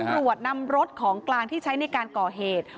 ตำรวจนำรถของกลางที่ใช้ในการก่อเหตุ